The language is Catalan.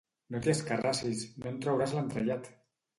No t'hi escarrassis, no en trauràs l'entrellat!